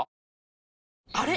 あれ？